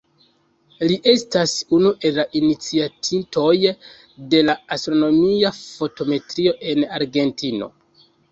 Li estas unu el la iniciatintoj de la astronomia fotometrio en Argentino.